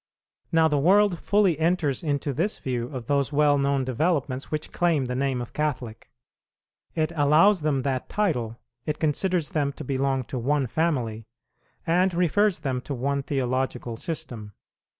Now the world fully enters into this view of those well known developments which claim the name of Catholic. It allows them that title, it considers them to belong to one family, and refers them to one theological system.